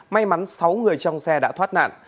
may mắn sáu người trong xe đã thoát nạn